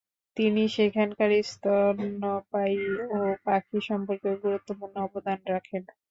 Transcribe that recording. তিনি সেখানকার স্তন্যপায়ী ও পাখি সম্পর্কে গুরুত্বপূর্ণ অবদান রাখেন।